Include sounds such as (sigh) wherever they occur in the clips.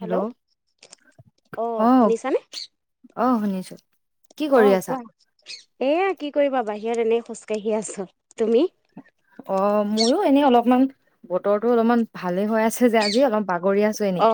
Hello অ শুনিছানে? অ শুনিছো। কি অ কৰি আছা কোৱা? এয়া কি কৰিবা বাহিৰত এনে খোজকাাঢ়ি আছো। তুমি? অ ময়ো এনেই অলপমান বতৰটো অলপমান ভালে হৈ আছে যে আজি অলপ বাগ- গৰি আছো অ। এনেই।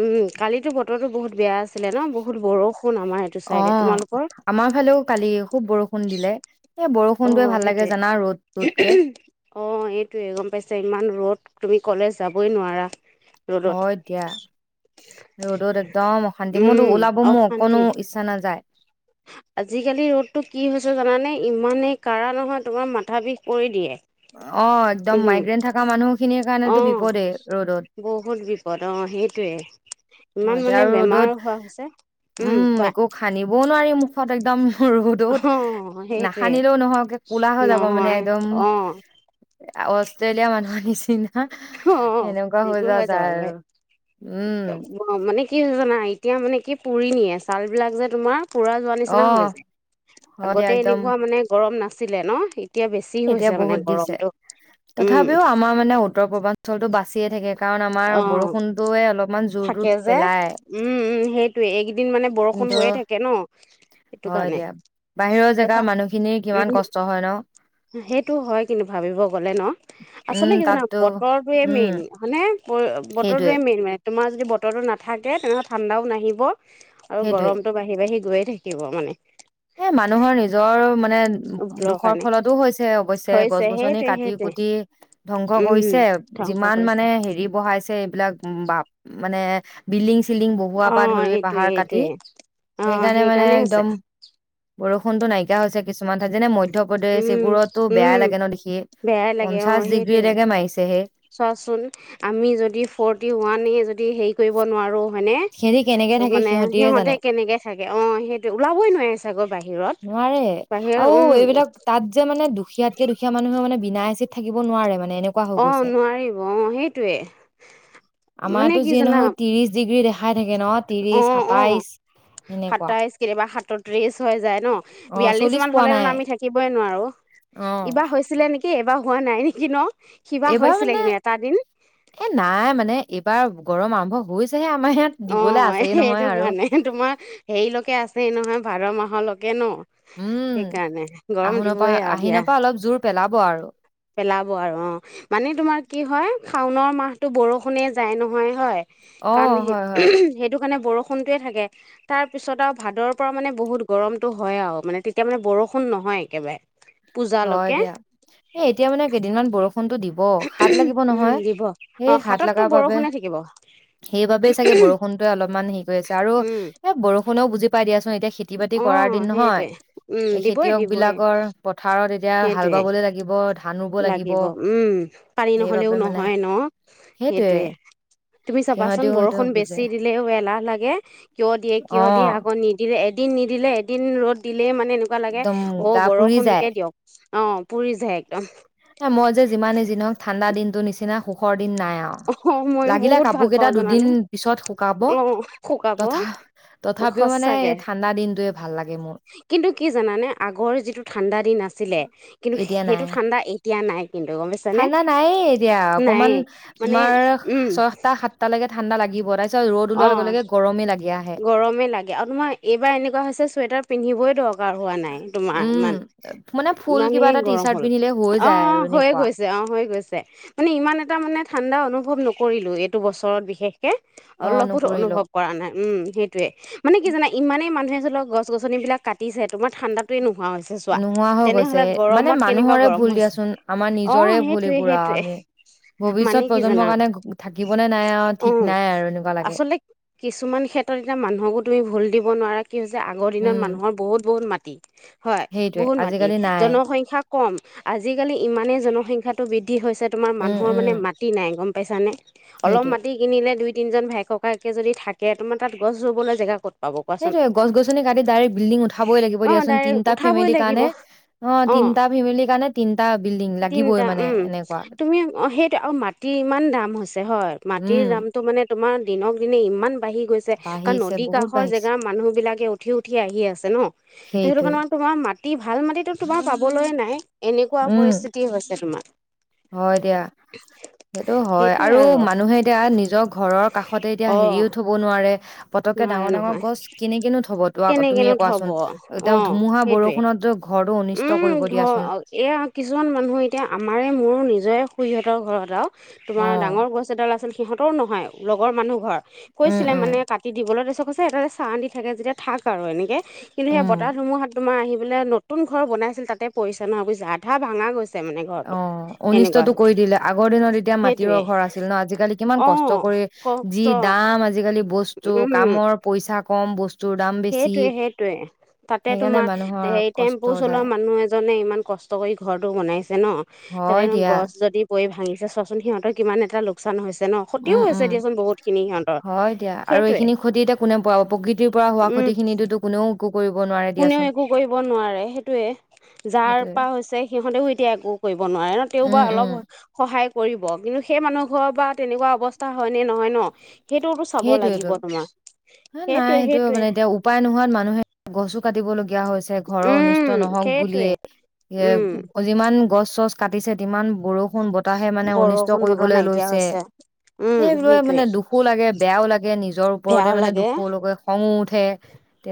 উম কালিতো বতৰ বহুত বেয়া আছিলে ন বহুত বৰষুণ আমাৰ এইটো অ চাইডে তোমালোকৰ? ষুণ দিলে। এ অ বৰষুণটোৱে ভাল লাগে জানা ৰ'দ ৰ'দকে সেইটোৱে অ এইটোৱে গম পাইছে ইমান ৰ'দ। তুমি কলেজ যাবই নোৱাৰা। ৰ'দত। হয় দিয়া ৰ'দত একদম অশান্তি উম মোৰতো ওলাব মোৰ অশান্তি। অকোনো ইচ্ছা নাযায়। আজিকালি ৰ'দটো কি হৈ হৈছে জানানে, ইমানেই কাঢ়া নহয় তোমাৰ মাথা বিষ কৰি দিয়ে। অ একদম উম মাইগ্ৰেন থকা মানুহখিনিৰ অ কাৰণেতো বিপদে ৰ'দত। বহুত বিপদ অ সেইটোয়ে অ ইমান এতিয়া মানে আৰু বেমাৰ ৰ'দত হোৱা হৈছে। উম একো সানিবও নোৱাৰি মোক একদম ৰ'দত অ সেইটোয়ে নাসানিলেও নহয় কোলা হৈ যাব মানে নহয় একদম অ', অষ্ট্ৰেলিয়া মানুহৰ নিচিনা (unintelligible) হা অ', সেনেকুৱা হৈ নিগুৰ যোৱা যায় আৰু উম অ মানে কি হৈছে জানা এতিয়া মানে কি পুৰি নিয়ে ছাল বিলাক যে তোমাৰ (unintelligible) পুৰা যোৱা নিচিনা হৈ অ', যায় হয় দিয়া আগতে একদম এনেকুৱা মানে গৰম নাচি আছিলে ন এতিয়া বেছি এতিয়া হৈছে মানে বহুত দিছে গৰমটো উম, তথাপিও আমাৰ মানে উত্তৰ পূৰ্বাঞ্চল বাচিয়ে থাকে কাৰণ আমাৰ অ', বৰষুণতটোয়ে অলপমান থাকে জোৰটো যে পেলায় উম, উম, সেইটোয়ে এযে কিন্তু সেইটো হয় কাৰণে দিয়া বাহিৰৰ জেগাৰ মানুহখিনিৰ কিমান উম, কষ্ট হয় ন (unintelligible) সেইটো হয় কিন্তু ভাবিব গ'লে ন উম, আচলতে কি জনা তাততো বতৰটোৱে উম, মেইন মানে সেইটোৱে বতৰটোৱে মেইন মানে তোমাৰ (unintelligible) যদি বতৰটো নাথাকে তেনেহ'লে ঠাণ্ডাও নাহিব আৰু সেইটোৱে। গৰমতটো বাঢ়ি বাঢ়ি গৈ থাকিব মানে এ মানুহৰ নিজৰ মানে ভুলৰ দুখৰ কাৰণে ফলতো হৈছে অৱশ্যে গছ হৈছে গছনি সেইটোৱে কাটি সেইটোৱে কুটি ধ্বংস কৰিছে উম ধ্বংস যিমান কৰিছে মানে হেৰি বহাইছে এইবিলাক বা মানে বিলি (unintelligible) চিলিং বহুৱাৰ অ পৰা ধৰি এইটোৱে পাহাৰ কাটি এইটোৱে অ সেইকাৰণে মানে হৈছে একদম বৰষুণটো নাইকিয়া হৈছে কিছুমান ঠাই যে ম (unintelligible) মধ্যপ্ৰদেশ এইবোৰতো উম বেয়া উম লাগে ন দেখি বেয়াই লাগে অ পঞ্চাশ সেইটোৱে ডিগ্ৰীলৈকে মাৰিছেহে (unintelligible) চোৱাচোন আমি যদি ফৰটি ওৱানে যদি হেৰি কৰিব নোৱাৰো সিহঁতি কেনেকে হয়নে থাকে মানে সিহঁতিয়ে জানে সিহতে কেনেকে থাগে অ, সেইটো ওলাবই নোৱাৰি। চাগল। নোৱাৰে, আৰু এইবিলাক তাত যে মানে দুখীয়াতকে, দুখীয়া মানুহে মানে বিনা এচিত থাকিব, নোৱাৰে মানে। এনেকুৱা হৈ অ, গৈছে নোৱাৰিব অ, সেইটোৱে মানে কি জানা? খাই থাকে ন। ত্ৰিশ, অ অ সাতাইশ সেনেকুৱা। সাতাইশ কেতিয়াবা (unintelligible) সাতত্ৰিশ হৈ য ন অ বিয়াল্লিশ চল্লিশ মান পোৱা হলে নাই আমি থাকিবই নোৱাৰো অ এবাৰ হৈছিলে নেকি? (unintelligible) স এবাৰ হোৱা নাই নেকি ন? সিবাৰ এইবাৰ হৈছিলে মানে কিন্তু এটা দিন এ নাই মানে এইবাৰ। গৰম আৰম্ভ হৈছেহে। আমাৰ ইয়াত অ, দিবলৈ আছেই নহয় সেইটো আৰু কাৰণে তোমাৰ হেৰিলৈকে আছে নহয়, ভাদ মাহ মাহৰ লৈকে, ন। উম, সেইকাৰণে গৰম আহো নপা দিবই আৰু দিয়া আহিণৰ, পৰা অলপ জোৰ পেলাব। হব আৰু পেলাব আৰু অ, মানে তোমাৰ কি হয়? শাওনৰ মাহতটো বৰষুণে যায় নহয়, হয়। অ কাৰণে, হয় হয় সেই-সেইটো কাৰণ বৰষুণতয়ে থাকে, তাৰ পিছত আৰু ভাদৰ পৰা মানে বহুত গৰমটো হয়, আৰু মানে তেতিয়া মানে বৰষুণ নহয় একেবাৰে। হয় পূজালৈকে। দিয়া এ, এতিয়া মানে কেইদিনমান বৰষুণতটো দিব হাত লাগিব উম নহয়, দিব অ এই হাত হাতততো লগাৰ বাবে বৰষুণে থাকিব সেইবাবেই চাগে বৰষুণতোৱে অলপমান হেৰি কৰি আছে। আৰু উম এই বৰ শুনো বুজিপাই দিয়া এতিয়া খেতি বাতি অ কৰাৰ দিন নহয়, সেইটোৱে উম এই দিবই খেতিয়ক দিবই বিলাকৰ পথ পথাৰত এতিয়া হাল সেইটোৱে বাবলৈ লাগিব। লাগিব উম পানী নহলেও সেইবাবে মানে নহয় ন, সেইটোৱে তুমি চাবাচোন সিহঁতেও সেইটো বৰষুণ বুজে বেছি দিলেও এলাহ লাগে, কিয় দিয়ে, অ কিয় দিয়ে আকৌ নিদিলে? এদিন নিদিলে এদিন ৰ'দ দিল লে মানে এনেকুৱা লাগে, একদম অ, গা পুৰি যায় বৰষুণটোকে দিয়ক। অ, পুৰি যাই। অ মই যে যিমানেই যি নহওক ঠাণ্ডা দিনটো নিচিনা সুখৰ দিন নাই আও অ ময়ো লাগিলে বহুত কাপোৰ ভাল কেইটা পাওঁ দুদিন জানানে পিছত শুকাব অ শুকাব তথা-তথাপিও মানে সঁচাকে ঠাণ্ডা দিনটোৱে ভাল লাগে মোৰ কিন্তু কি জানানে, আগৰ যিটো ঠাণ্ডা দিন আছিলে কিন্তু এতিয়া সেইটো নাই ঠাণ্ডা এ এতিয়া নাই। ঠাণ্ডা নাই, এতিয়া অকনমান নাইয়ে মানে তোমাৰ উম ছয়টা, সাতটালৈকে ঠাণ্ডা লাগিব তাপি অ গৰমে লাগে আও তোমাৰ এইবাৰ এনেকুৱা হৈছে চুৱেটাৰ পিন্ধিবই হোৱা নাই তোমাৰ উম, ইমান মানে ফুল কিবা ইমানেই এটা গৰম টি-চাৰ্ট হ'ল পিন্ধিলে হৈ অ অ যায় আৰু হৈ এনেকুৱা। গৈছে অ হৈ গৈছে মানে ইমান এটা মানে ঠাণ্ডা অনুভৱ অনুভৱ নকৰিলো এইটো বছৰত বিশেষকে অ', অলপোৰ নকৰিলোঁ। অনুভৱ কৰা নাই উম। সেইটোৱে মানে কি জানা ইমানে মানুহে ল গছনিবিলাক কাটিছে তোমাৰ ঠাণ্ডাতটোেনো নোহোৱা হৈ গৈছে মানে কেনেকুৱা মানুহৰে গৰম ভুল হৈছে দিয়াচোন আমাৰ অ নিজৰে ভুল সেইটোৱে এইবোৰ আৰু সেইটোৱে আমি ভৱিষ্যত মানে কি প্ৰজন্মৰ জানা কাৰণে থাকিবনেে নাই আৰু অ ঠিক নাই আৰু এনেকুৱা লাগে, আচলতে কিছুমান ক্ষেত্ৰত এতিয়া মানুহকো তুমি ভুল দিব নোৱাৰা। কি হৈছে আগৰ দিনত উম। মানুহৰ বহুত বহুত মাত দি। হয় সেইটোৱে, বহুত মাটি আজিকালি নাই, জনসংখ্যা কম আজিকালি ইমানেই জনসংখ্যাটো বৃদ্ধি হৈছে তোমাৰ উম, মানুহৰ উম, মানে মাটি নাই গম। পইচা নে। অলপ সেইটোৱে। মাটি কিনিলে দুই। তিনিজন ভাই ককাইকে যদি থাকে তোমাৰ তাত গছ ৰুবলৈ জেগ ক'ত। পাব কোৱাচোন সেইটোয়ে গছ গছনি কাটি ডাইৰেক্ট বিল্ডিং উঠাবই লাগিব অ দিয়াচোন ডাইৰেক্ট তিনটা উঠাবই ফেমিলিৰ লাগিব কাৰণে অ তিনটা ফেমিলিৰ কাৰণে তিনটা বিল্ডিং লাগিবই তিনিটা মানে উম এনেকুৱা তুমি অ সেইটো আৰু মাটিৰ ইমান দাম হৈছে হয় মাটিৰ উম। দামটো মানে তোমাৰ দিনক দিনে ইমান। বাঢ়ি গৈছে কাৰণ বাঢ়িছে নদী বহুত কাষৰ বাঢ়িছে, জেগাৰ মানুহ বিলাকে উঠি উঠি আহি আছে ন ত সেইটো সেইটোৱে, কাৰণে তোমাৰ মাটি। মাটি ভাল মাটিতো তোমাৰ পাবলৈ নাই। এনেকুৱা উম, পৰিস্থিতি আ হৈছে তোমাৰ। হয় এ দিয়া সেইটো হয় আৰু মানুহে এতিয়া নিজক। ঘৰৰ কাষতে এতিয়া অ হেৰিও থব নোৱাৰে। তে। পতককে নোৱাৰে ডাঙৰ ডাঙৰ নহয় গছ কেনে কিনো থব ত কেনেকেনো তুমিয়ে থব কোৱাচোন এ অ ধুমুহা সেইটোৱে বৰষুণতৌ। উম ধ এয়া কিছুমান মানুহ এতিয়া আমাৰে মোৰো নিজ। জয় সু ইহঁতৰ ঘৰত আও। অ তোমাৰ ডাঙৰ গছ এডাল আছিল। সিহঁতৰো নহয় লগৰ মানুহ ঘৰত। উম কৈছিলে উম মানে কাটি দিবলৈ। ছে এটাতে চাহ দি থাকে যেতিয়া থাক আৰু এনেকে। কিন্তু সেই উম বতাহ ধুমহাত তোমাৰ আহি। বোলে। নতুন ঘৰ বনাইছিল তাতে পৰিছে নহ বোইছা আধা ভাঙা গৈছিল। অ অনিষ্টতটো কৰি দিলে আগৰ দিনত এতিয়া সেইটোৱে মাটিৰৰ ঘৰ আছিল ন আজিকালি কিমান অ কষ্ট কৰি যি কষ্ট দাম আজিকালি বস্তু কামৰ পইচা। কম বস্তুৰ দাম বেছি সেইটয়ে সেইটোয়ে তাতে সেইকাৰণে তোমাৰ মানুহৰ হেৰি কষ্ট টেম্পু চলোৱা যায় মানুহ এজনে ইমান। কষ্ট কৰি ঘৰটো বনাইছে। ন ত হয় দিয়া গছ যদি পৰি। ভাঙিছে চোৱাচোন সিহঁৰ কিমান এটা লোকচান হৈছে। ন ক্ষতিও উম, হৈছে উম দিয়াচোন বহুত খিনি সিহঁতৰ হয় এ দিয়া আৰু সেইটোৱে এইখিনি ক্ষতি এতিয়া কোনে পাব প্ৰকৃতিৰ পৰা। হোৱা উম ক্ষয়তি খিনিতো কোনেও। একো কৰিব নোৱাৰে কোনেও দিয়াচোন একো কৰিব নোৱাৰে সেইটোৱে যাৰ সেইটোয়ে পৰা হৈছে সিহঁতেও এতিয়া একো কৰিব নোৱাৰে ন তেওঁও বা উম উম অলপ সহায়। কৰিব কিন্তু সেই মানুহ ঘৰ বা তেনেকুৱা অৱস্থা হয় নে নহয় ন সেইটোতো চাব লাগিব সেইটোয়েইটো তোমাৰ হ নাই সেইটোৱে সেইটো সেইটোৱে মানে এতিয়া উপায় নোহোৱাত মানুহে গছো (unintelligible) কাটিবলগীয়া হয় ঘৰৰ উম অনিষ্ট নহওক সেইটোৱে বুলিয়েই এ উম যিমান গছ চচ কাটিছে তিমান বৰষুণ (unintelligible) োন বতাহে মানে অনিষ্ট বৰষুণ বতৰ কৰিবলৈ নাইকিয়া লৈছে হৈছে উম সেইবোৰে সেইটোৱে মানে দুখো লাগে (unintelligible) ে নিজ (unintelligible) নিজৰ ওপৰতে বেয়াও মানে লাগে দুখলৈকে খঙো উঠ (unintelligible) উঠে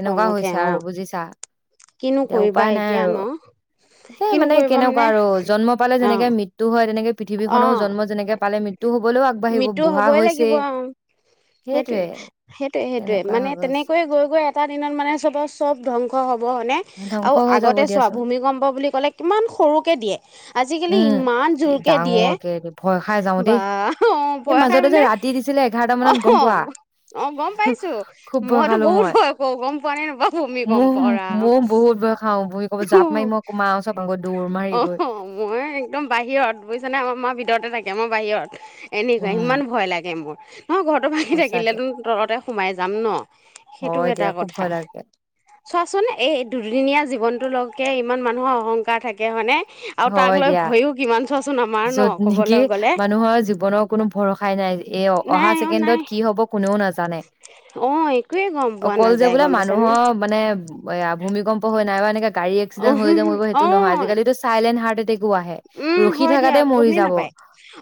খং উঠে হৈছে অ আৰু বুজিছা কিনো এতিয়া কৰিবা উপায় নাই এতিয়া আৰু ন এতিয়া কিনো মানে কৰিবা কেনেকুৱা আৰু জন্ম পালে অ যেনেকে মৃত্্যু হয় (unintelligible) হয়নে (unintelligible) অ পৃথিৱীখনো জন্ম যেনেক পা (unintelligible) মৃত্যু হবলৈও আগবাঢ়িব বুঢ়া হৈছে সেইটোয়ে সেইটোৱে সেইটোয়ে সেইটোয়ে তেনেকুৱা মানে হৈ গৈছে তেনেকৈয়ে গৈ গৈ এটা দিনত মানে চবৰ সব ধ্বংস হব হনেে ধ্বংস আৰু হৈ যাব আগতে চোৱা দিয়াচোন ভূমিকম্প বুলি কলে কিমান সৰুকে দিয়ে আজিকালি উম ইমান কি জোৰকে দিয়ে ডাঙৰকে দে- ভয় খাই যাও বা দেই অ এই ভয়া খাই মাজতে যে মানে ৰাতি দিছিলে এঘাৰটা (unintelligible) অ মানত গম পোৱা অ গম পাইছো খুব ভয় মইতো খালো বহুত মই হয়য় ক গম পোৱা নাই নাপাবুমি গম মোৰ পাওঁ ৰা (unintelligible) ময়ও বহুত ভয় খাও বহি কব জাপ মাৰি মই কমাও চব আকৌ দৌৰ অ', মাৰিবৈ মই একদম বাহিৰত (unintelligible) বুজিছানে আমাৰ মা ভিতৰতে থাকে মই বাহিৰত এনেকুৱা ইমান ভয় লাগে মোৰ হয় নহয় ঘৰটো ভাঙি সঁচাকে থাকিলেতো তৰকতে সোমাই যাম ন সেইটো হয় এটা দিয়া খুব কথা ভয় লাগে চোৱাচোন এই দুদিনীয়া জীৱনটো লগ তকে ইমান মানুহৰ অহংকাৰ থাকে হয়নেে আৰু তাক হয় লৈ দিয়া ভয়ো কিমান চোৱাচোন আমাৰ ন যত নেকি ক'বলৈ গ'লে মানুহৰ জীৱনৰ কোনো ভৰসাই নাই এ অহা নাই অ', ছেকেণ্ডত নাই কি হ'ব কোনেও নাছিল জানে অ', একোৱে গম পোৱা অকলল যে নাযায় বোলে গম পাইছানে মানুহৰ মানে এয়া ভূমিকম্প হৈ নাই বা এনেকে গাড়ী্সিেট অ', হৈ যামাবব সেইটো নহয় অ', আজিকালিো চাইলেণ্ট হাৰ্টেো আহে (unintelligible) ৰখ য়া গমেই নাপায়।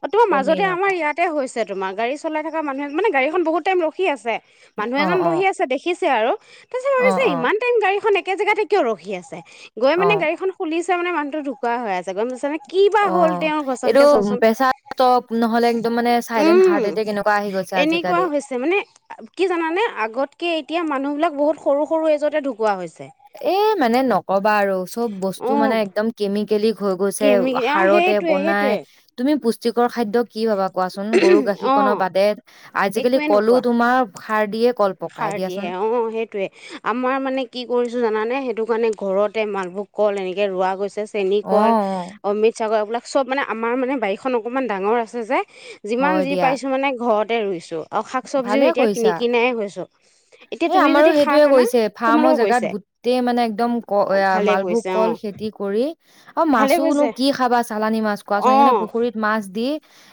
অ' তোমাৰ গমেই মাজতে আমাৰ নাপায় ইয়াতে হৈছে তোমাৰ, গাড়ী চলাই থাকা মানুহে, মানে গাড়ীখন বহুত টাইম ৰখি আছে। মানুহ অ এজন অ বহি আছে দেখিছ ছে আৰু তছ অ ভাবিছে অ ইমান টাই গাড়ীখন একে জেগাতে কিয় ৰখি আছে। গৈ অ মানে গাড়ীখন খুলি মানে মুহ ঢুা আছে গমছানে কি বা অ হল তেওঁৰ এইটো গছতকে চোৱাচোন প্ৰেচাৰ ষ্টপ নহ'লে একদম মানে চাইলেণ্ট উম হাৰ্ট এটেক এনেকুৱা আহি গৈছে আজিকালি এনেকুৱা হৈছে মানে কি জানানে আগতকে এতিয়া মানুহ বিলাক বহুত সৰু সৰু এজতে ঢুকোৱা হৈছে এ মানে নকবা আৰু চব বস্তু অ মানে একদম কেমিকেলিক হৈ গৈছে। কেমি অ সাৰতে সেইটোৱে বনাই সেইটোৱে পুষ্ট খাদ্য কি ভাবা কোৱাচোন গৰু গাখীৰ অ কণ বাদে আজিকালি একোৱে কলো নোপোৱা তোমাৰ সাৰ দিয়ে। কল পকাই সাৰ দিয়াচোন দহে অ সেইটোয়ে আমাৰ মানে কি কৰিছো জানানে? সেইটো কাৰণে ঘৰতে মালভোগ কল এনেকে ৰোৱা গৈছে। অ অ চেনিকল অমৃত চাগৰ এইলাক চব মানে আমাৰ মানে বাৰীখন অকণমান ডাঙৰ আছে যে যিমান হয় যি দিয়া পাৰছো মানে ঘৰত তে ৰুইছোঁ অ শাক চব্জিও ভালে এতিয়া কিন কৰিছা কিনাই হৈছ এ আমাৰো সেইটোয়ে কৈছে ফাৰ্মৰ তোমালোকৰ কৰিছে জেগাত গোটেই মানে একদম ক অ' ভালে মালভোগ কৰিছে অ' কল খেতি কৰি অ ভালে মাছোনো কৰিছে কি খাবা চালানি মাছ কোৱাচোন সেইকাৰণে অ' পুখুৰীত মাছ দি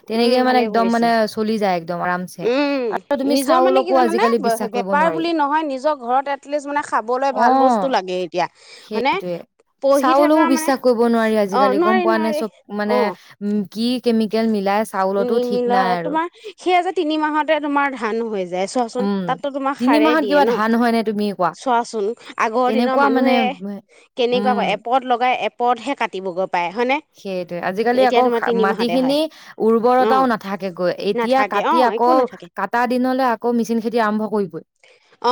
তেনেকে উম মানে ভালে একদম কৰিছে মানে চলি যায় একম একদম আৰাম চে উম নিজৰ মানে কি জানানে বেপাৰ নোৱাৰি বুলি নহয় নিজৰ ঘৰত এটলিষ্ট মানে খাবলৈ অ ভাল বস্তু লাগে এতিয়া মানে সেইটোয়ে পঢ়ি চাউলও থকা মানে বিশ্বাস কৰিব নোৱাৰি অ আজিকালি গম নোৱাৰি পোৱা নে নোৱাৰি চব মানে অ' উম কি কেমিকেল মিলাই চাউলতো ঠিক নাই আৰু তে তোমাৰ ধান হৈ য' য চোৱাচোন উম তাতো তোমাক তিনি সাৰে মাহত দিয়ে কিবা ন ধান হয় নে তুমি কোৱা চোৱাচোন আগৰ দিনৰ কেনেকুৱা মানে মানুহে কেনেকুৱা ক উম এপদ লগাই এপদহে কাটিবগৈ পায় হয়নে এতিয়া তোমাৰ তিনিমাহত খিনি উৰ্বৰতাও নাথাকেগৈ এতিয়া নাথাকে অ কাটি একো আকৌ নাথাকে কটা দিনলৈ ম খ্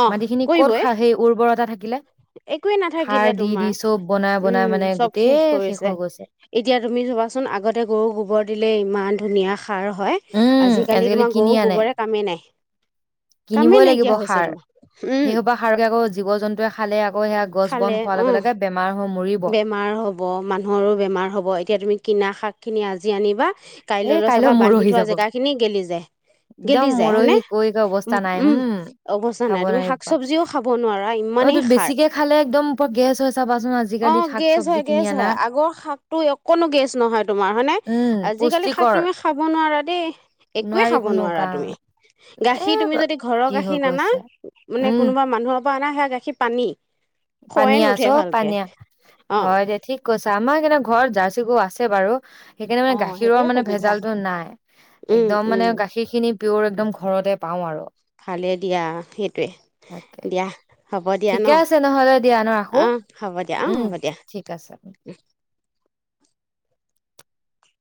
অ মত খ কৰিবই ঘৰতে থাকিলে। একোৱে সাৰ নাথাকিলে দি দি চব বনাই তোমাৰ বনাই উম মানে চব গোটেই শেষ কৰিছে হৈ গৈছে এতিয়া তুমি চবাচোন আগতে গৰু গোবৰ দিলে ইমান ধুনীয়া। সাৰ হয় উম আজিকালি তোমাৰ কিনি গৰু আনে গোবৰে কামেই নাই কিনিবই কামেই লাগিব নাইকিয়া হৈছে সাৰ তোমাৰ উম। সেই সোপা সাৰকে আকৌ জীৱ জন্তুৱে খালে আকৌ সেয়া গছ বন খালে খোৱাৰ লগে অহ লগে বেমাৰ হৈ মৰিব বেমাৰ হ'ব মানুহৰো বেমাৰ হ'ব এতিয়া তুমি কিনা শাক। খিনি আজি আনিবা। এ কাইলৈলৈ কাইলৈ চাবা বান্ধি মৰহি থোৱা যাব জেগা খিনি গেলি যায় একদম গেলি যায় হয়নে মৰহি কৈ কৈ অৱস্থা নাই উম অৱস্থা খাব নাই তুমি নোৱাৰি শাক পা চবজিও খাব নোৱাৰা অ ইমানেই সাৰ বেছিকে খালে একদম পৰা গেছ হৈ চাবাচোন আজি অ গেছ হয় গেজ হয় আগৰ শাকটো অকণো গেছ নহয় তোমাৰ হয়নে। উম শাক পুষ্টিকৰ তুমি খাব নোৱাৰা দেই একোৱয়ে নোৱাৰি খাব কোনো নোৱাৰা কাম তুমি এ গাখীৰ তুমি যদি ঘৰৰ কি হৈ গাখীৰ নানা গৈছে মানে উম কোনোবা মানুহৰ না সে গাখীৰ পানী খয়ে পানীয়া নুঠে চব ভাল। হয় দে ঠিক কৈছে আমাৰ কি ঘৰ জাৰ্চিো আছে। বাৰু সেইকাৰণে অ মানে গাখীৰৰ সেইটোৱে মানে সুবিধা ভেজালতটো নাই উম এক্দম উম মানে গাখীৰ খিনি পিয়ৰ একদম ঘৰতে পাওঁ আৰু ভালে দিয়া সেইটোৱে তাকে দিয়া। হ'ব দিয়া ন ঠিকে আছে নহলে দিয়া নো ৰাখো অঁ হ'ব দিয়া অঁ উম হ'ব দিয়া ঠিক আছে।